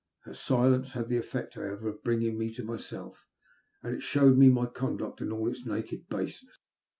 Her silence had the effect, however, of bringing me to myself, and it showed me my conduct in all its naked baseness.